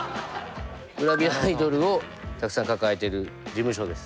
グラビアアイドルをたくさん抱えてる事務所です。